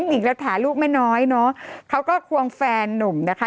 น้องหญิงและถาลูกแม่น้อยเนอะเขาก็ควรแฟนหลุมนะคะ